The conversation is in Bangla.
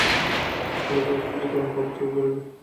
চলো, তোমাকে কিছু গরম কাপড়চোপড় পরিয়ে দেই!